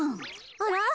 あら？